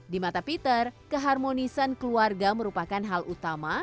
di mata peter keharmonisan keluarga merupakan hal utama